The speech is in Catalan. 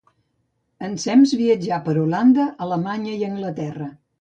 Ensems viatjà per Holanda, Alemanya i Anglaterra.